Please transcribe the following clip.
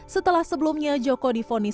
setelah sebelumnya joko difonis